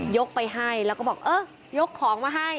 ไปให้แล้วก็บอกเออยกของมาให้